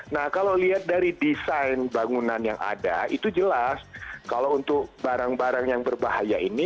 nah kalau lihat dari desain bangunan yang ada itu jelas kalau untuk barang barang yang berbahaya ini